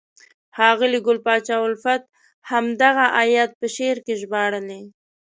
ښاغلي ګل پاچا الفت همدغه آیت په شعر کې ژباړلی: